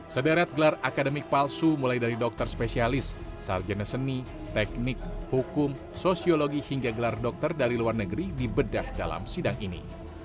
sederet gelar akademik palsu mulai dari dokter spesialis sarjana seni teknik hukum sosiologi hingga gelar dokter dari luar negeri dibedah dalam sidang ini